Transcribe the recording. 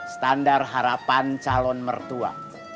standar harapan calon mertua